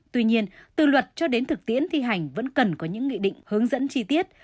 tuy nhiên từ luật cho đến thực tiễn thi hành vẫn cần có những nghị định hướng dẫn chi tiết